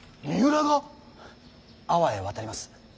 安房へ渡ります。